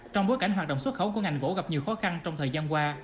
trong bối cảnh hoạt động xuất khẩu của ngành gỗ gặp nhiều khó khăn trong thời gian qua